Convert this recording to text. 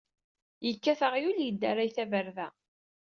Yekkat aɣyul, yeddaray taberda.